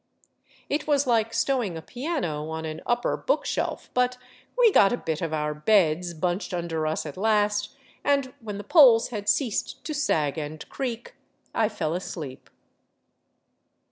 It was like stowing a piano on an upper bookshelf, but we got a bit of our " beds " bunched under us at last, and when the poles had ceased to sag and creak, I fell asleep.